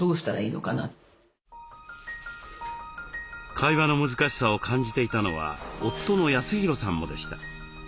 会話の難しさを感じていたのは夫の恭弘さんもでした。